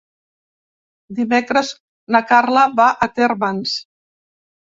Dimecres na Carla va a Térmens.